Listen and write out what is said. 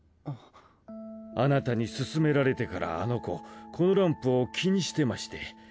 あなたに勧められてからあの子このランプを気にしてまして。